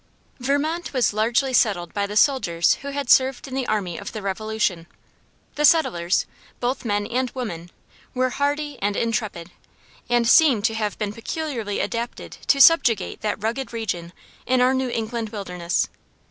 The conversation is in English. Vermont was largely settled by the soldiers who had served in the army of the Revolution. The settlers, both men and women, were hardy and intrepid, and seem to have been peculiarly adapted to subjugate that rugged region in our New England wilderness.